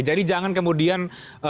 jadi jangan kemudian